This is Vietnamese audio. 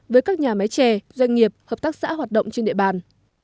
với các nhà máy chè doanh nghiệp hợp tác xã hoạt động trên địa bàn